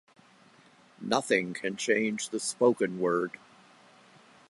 Nothing can change the spoken word.